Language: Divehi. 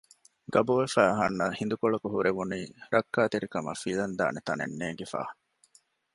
ގަބުވެފައި އަހަންނަށް ހިނދުކޮޅަކު ހުރެވުނީ ރައްކާތެރި ކަމަށް ފިލަން ދާނެ ތަނެއް ނޭނގިފަ